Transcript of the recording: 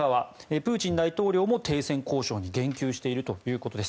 プーチン大統領も停戦交渉に言及しているということです。